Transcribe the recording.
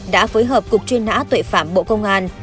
đã phối hợp cục chuyên án tội phạm bộ công an